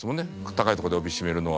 高いとこで帯を締めるのは。